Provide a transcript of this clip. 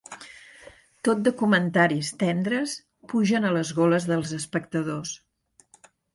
Tot de comentaris tendres pugen a les goles dels espectadors.